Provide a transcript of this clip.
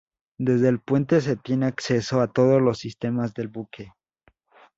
Desde el puente se tiene acceso a todos los sistemas del buque.